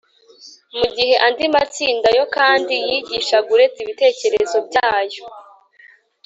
mu gihe andi matsinda yo nta kindi yigishaga uretse ibitekerezo byayo.”